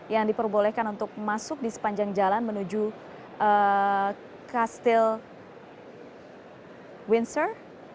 yang diperbolehkan untuk masuk di sepanjang jalan menuju kastil windsor